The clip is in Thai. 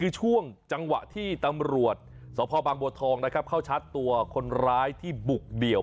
ช่วงที่คุณเข้าชัดตัวคนร้ายที่บุกเปลี่ยว